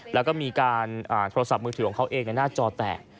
แล้วก็มีการโทรศัพท์มือถือของเขาเองในหน้าจอแตก